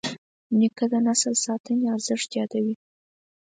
نیکه د نسل ساتنې ارزښت یادوي.